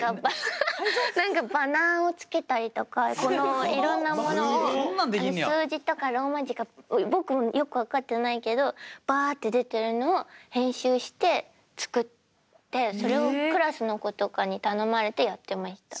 何かバナーをつけたりとかいろんなものを数字とかローマ字か僕もよく分かってないけどバーッて出てるのを編集して作ってそれをクラスの子とかに頼まれてやってました。